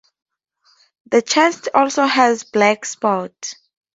The chest also has black spots.